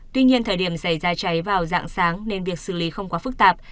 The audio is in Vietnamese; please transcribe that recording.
tuy nhiên thời điểm xảy ra cháy vào dạng sáng nên việc xử lý không quá phức tạp